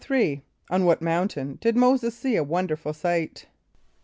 = On what mountain did M[=o]´[s+]e[s+] see a wonderful sight?